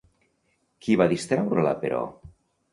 Qui va distreure-la, però?